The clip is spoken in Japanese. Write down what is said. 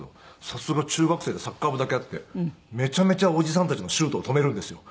さすが中学生でサッカー部だけあってめちゃめちゃおじさんたちのシュートを止めるんですよ。